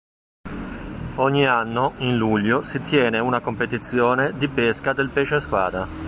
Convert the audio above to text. Ogni anno, in luglio, si tiene una competizione di pesca del pesce spada.